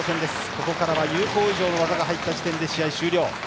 ここからは有効以上の技が入った時点で試合終了。